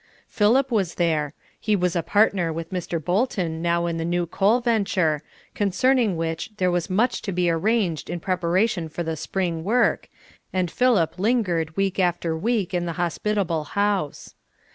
Philip was there; he was a partner with Mr. Bolton now in the new coal venture, concerning which there was much to be arranged in preparation for the Spring work, and Philip lingered week after week in the hospitable house.